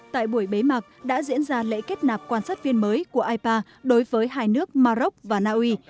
tại buổi bế mạc đã diễn ra lễ kết nạp quan sát viên mới của ipa đối với hai nước maroc và naui